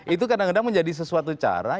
itu kadang kadang menjadi sesuatu cara